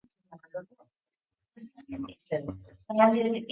The style for a nawab's queen is "begum".